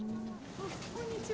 こんにちは。